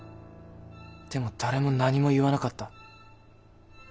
でも誰も何も言わなかった。